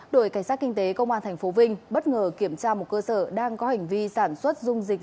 đội cảnh sát kinh tế công an tp vinh bất ngờ kiểm tra một cơ sở đang có hành vi sản xuất dung dịch